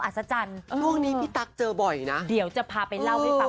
อัศจรรย์ช่วงนี้พี่ตั๊กเจอบ่อยนะเดี๋ยวจะพาไปเล่าให้ฟัง